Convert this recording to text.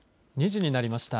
２時になりました。